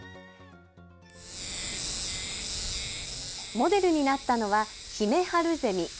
モデルになったのはヒメハルゼミ。